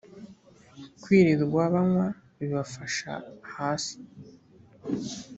kwirirwa banywa babifasha hasi .